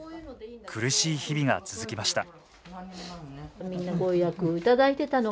苦しい日々が続きました